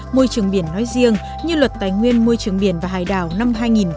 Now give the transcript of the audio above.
môi trường biển nói riêng như luật tài nguyên môi trường biển và hải đảo năm hai nghìn một mươi